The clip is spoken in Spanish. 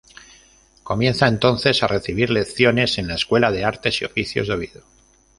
Comienza entonces a recibir lecciones en la Escuela de Artes y Oficios de Oviedo.